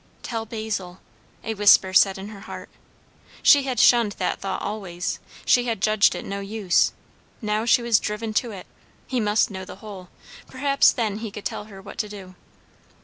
"Tell Basil" a whisper said in her heart. She had shunned that thought always; she had judged it no use; now she was driven to it. He must know the whole. Perhaps then he could tell her what to do.